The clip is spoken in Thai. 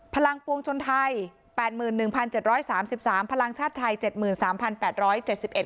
พลังปวงชนไทยแปดหมื่นหนึ่งพันเจ็ดร้อยสามสิบสามพลังชาติไทยเจ็ดหมื่นสามพันแปดร้อยเจ็ดสิบเอ็ด